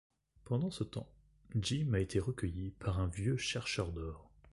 Pendant ce temps, Jim a été recueilli par un vieux chercheur d'or.